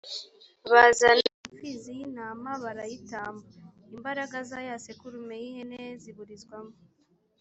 bazana impfizi y intama barayitamba.imbaraga za ya sekurume y ihene ziburizwamo